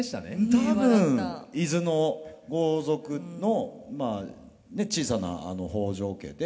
多分伊豆の豪族のまあ小さな北条家で。